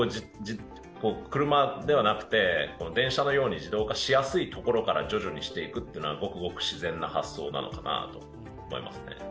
車ではなくて、電車のように自動化しやすいところから徐々にしていくというのはごくごく自然な発想なのかなと思いますね。